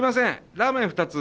ラーメン２つ。